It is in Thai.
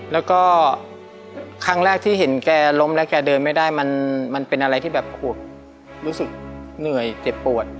แล้วก็ครั้งแรกที่เห็นแกล้มแล้วแกเดินไม่ได้มันเป็นอะไรที่แบบรู้สึกเหนื่อยเจ็บปวด